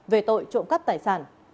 về tội trộm cắt tài sản